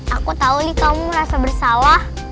aku tau li kamu rasa bersalah